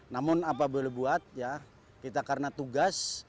namun apa boleh dibuat kita karena tugas